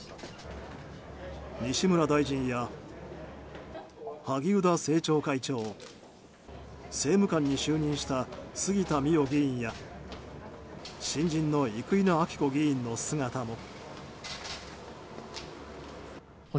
西村大臣や萩生田政調会長政務官に就任した杉田水脈議員や新人の生稲晃子議員の姿も。